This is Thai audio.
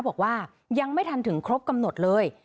บอกว่ายังไม่ทันถึงครบกำหนดเลย